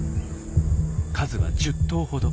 数は１０頭ほど。